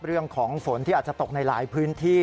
เรื่องของฝนที่อาจจะตกในหลายพื้นที่